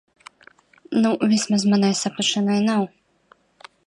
Nu vismaz manai saprašanai nav.